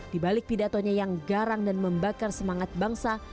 di balik pidatonya yang garang dan membakar semangat bangsa